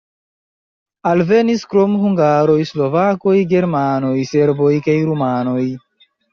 Alvenis krom hungaroj slovakoj, germanoj, serboj kaj rumanoj.